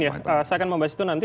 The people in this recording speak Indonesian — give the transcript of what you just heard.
ya saya akan membahas itu nanti